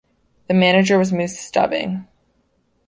The manager was Moose Stubing.